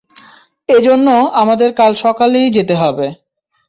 এজন্য আমাদের কাল সকালেই যেতে হবে।